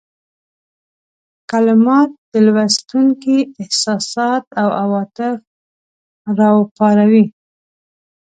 کلمات د لوستونکي احساسات او عواطف را وپاروي.